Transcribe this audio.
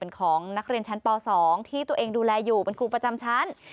เป็นของนักเรียนชั้นป๒ที่ตัวเองดูแลอยู่เป็นครูประจำชั้น